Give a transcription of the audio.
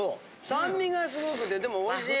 酸味がすごくてでもおいしい。